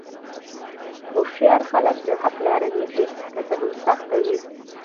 هوښیار خلک د حق لاره نیسي، که څه هم سخته وي.